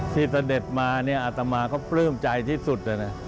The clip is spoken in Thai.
ที่สเด็จมาอัตมาเขาปลื้มใจที่สุด